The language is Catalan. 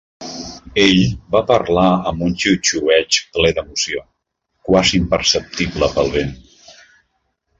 Ell va parlar amb un xiuxiueig ple d'emoció, quasi imperceptible pel vent.